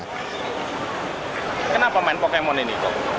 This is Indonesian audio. kenapa main pokemon ini